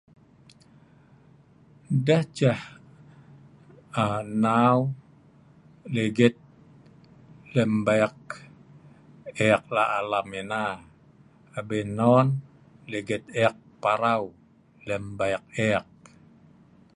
Ndeeh ceh um nnau ligit lem beeg eek la’ alam ena abien non ligit eek parau lem beeg eek